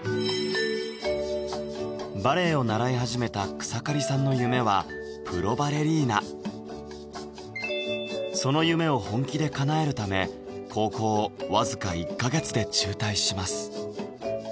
バレエを習い始めた草刈さんのその夢を本気でかなえるため高校をわずか１か月で中退します